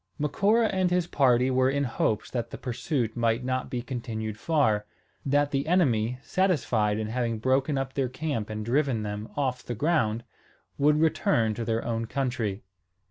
Macora and his party were in hopes that the pursuit might not be continued far, that the enemy, satisfied in having broken up their camp and driven them off the ground, would return to their own country.